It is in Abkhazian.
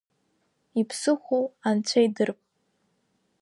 Иԥсыхәоу анцәа идырп…